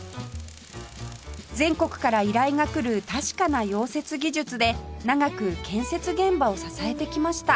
全国から依頼が来る確かな溶接技術で長く建設現場を支えてきました